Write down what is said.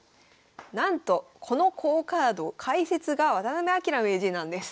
なんとこの好カード解説が渡辺明名人なんです。